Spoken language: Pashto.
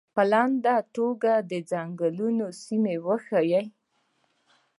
په لنډه توګه دې د څنګلونو سیمې وښیي.